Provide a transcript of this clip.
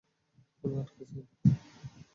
কখনো আটকে যায় না?